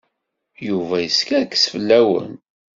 Yuba yeskerkes fell-awen.